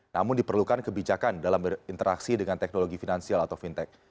namun diperlukan kebijakan dalam berinteraksi dengan teknologi finansial atau fintech